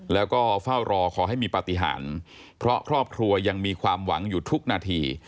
แล้วก็เฝ้ารอขอให้มีปฏิหารเพราะครอบครัวยังมีความหวังอยู่ทุกนาที